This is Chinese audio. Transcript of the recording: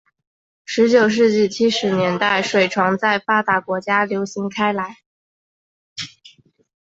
十九世纪七十年代水床在发达国家流行开来。